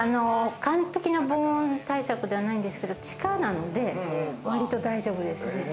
完璧な防音対策ではないんですけど、地下なので割と大丈夫です。